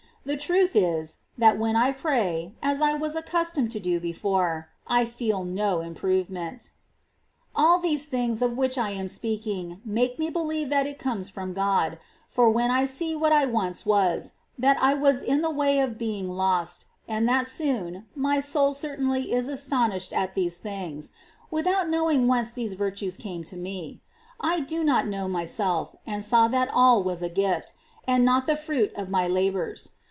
The truth is, that when I pray, as I was accustomed to do before, I feel no improvement. ' See Life, ch. xx. § 29. 384 ^ s. Teresa's relations [rel. i. 27. All these things of which I am speaking Work of niake me believe that it comes from God ; for when I see what I once was, that I was in the way of being lost, and that soon, my soul certainly is astonished at these things, without knowing whence these virtues came to me ; I did not know myself, and saw that all was a gift, and not the fruit of my labours.